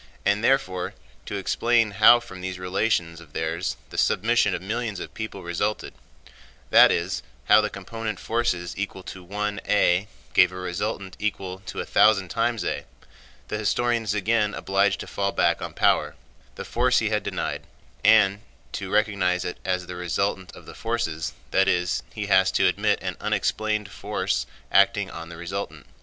And therefore to explain how from these relations of theirs the submission of millions of people resulted—that is, how component forces equal to one A gave a resultant equal to a thousand times A—the historian is again obliged to fall back on power—the force he had denied—and to recognize it as the resultant of the forces, that is, he has to admit an unexplained force acting on the resultant.